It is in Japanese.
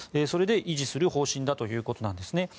それで維持する方針だということです。